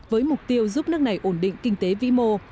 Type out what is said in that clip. với mục tiêu giúp nước này ổn định kinh tế vĩ mô